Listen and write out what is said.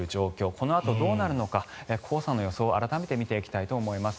このあとどうなるのか黄砂の予想を改めて見ていきたいと思います。